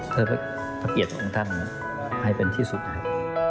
เพื่อเป็นการให้ท่านให้มีความเป็นที่ที่สุดครับ